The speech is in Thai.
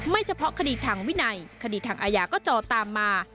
เฉพาะคดีทางวินัยคดีทางอาญาก็จอตามมา